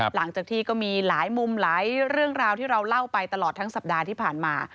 หลังจากที่ก็มีหลายมุมหลายเรื่องราวที่เราเล่าไปตลอดทั้งสัปดาห์ที่ผ่านมา